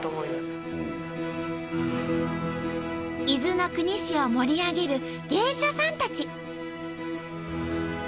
伊豆の国市を盛り上げる芸者さんたち。